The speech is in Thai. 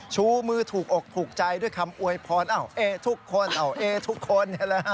ชูมือถูกอกถูกใจด้วยคำอวยพรอ้าวเอทุกคนเอทุกคน